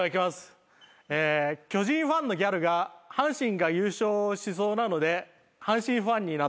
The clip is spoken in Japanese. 巨人ファンのギャルが阪神が優勝しそうなので阪神ファンになった。